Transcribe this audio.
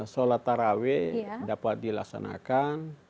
salat taraweh dapat dilaksanakan